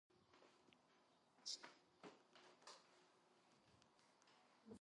წარმოადგენს აღნიშნული ოლქის ადმინისტრაციულ ცენტრს.